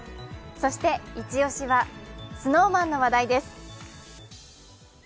そしてイチ押しはＳｎｏｗＭａｎの話題です。